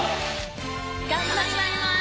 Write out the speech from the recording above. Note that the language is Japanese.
頑張ります。